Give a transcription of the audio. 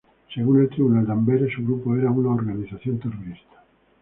Según el tribunal de Amberes, su grupo era una "organización terrorista.